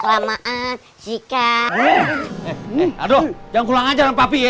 aduh jangan pulang aja